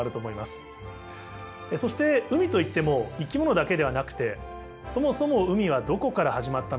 そして海といっても生き物だけではなくてそもそも海はどこから始まったのか。